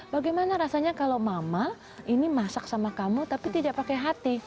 bagaimana rasanya kalau mama ini masak sama kamu tapi tidak pakai hati